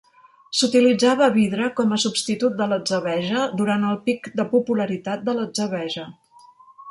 S'utilitzava vidre com a substitut de l'atzabeja durant el pic de popularitat de l'atzabeja.